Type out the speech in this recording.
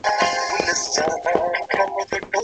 سردار اکبرخان د افغان مشرانو سره پټه غونډه وکړه.